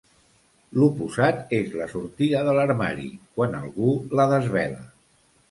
L'oposat és la sortida de l'armari, quan algú la desvela.